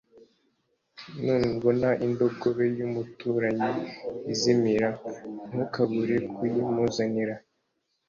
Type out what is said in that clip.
nubona indogobe y’umuturanyi izimira ntukabure kuyimuzanira